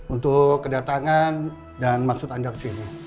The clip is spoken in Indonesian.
untuk kedatangan dan maksud anda kesini